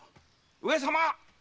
・上様！